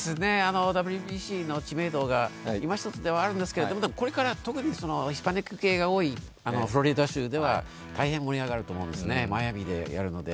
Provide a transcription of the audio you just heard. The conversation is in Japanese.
ＷＢＣの知名度が今ひとつではあるんですけどこれから特にヒスパニック系が多いフロリダ州では大変盛り上がると思うんですね、マイアミでやるので。